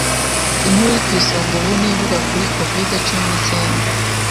Inkuru iri kw'isonga ubu nivuga kuri covid cumi nicyenda